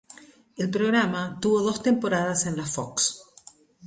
El programa tuvo dos temporadas en la Fox.